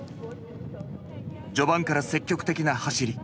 序盤から積極的な走り。